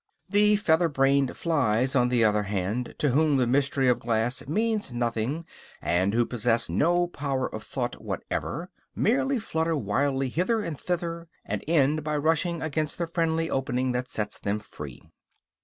The feather brained flies, on the other hand, to whom the mystery of glass means nothing and who possess no power of thought whatever, merely flutter wildly hither and thither, and end by rushing against the friendly opening that sets them free.